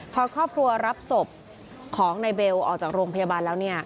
พอครอบครัวรับศพของนายเบลออกจากโรงพยาบาลแล้ว